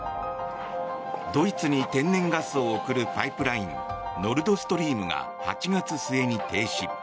ドイツに天然ガスを送るパイプラインノルド・ストリームが８月末に停止。